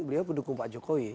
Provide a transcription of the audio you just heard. beliau pendukung pak jokowi